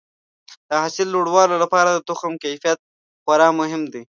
د حاصل لوړولو لپاره د تخم کیفیت خورا مهم دی.